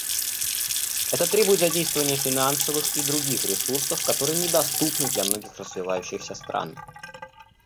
Это требует задействования финансовых и других ресурсов, которые недоступны для многих развивающихся стран.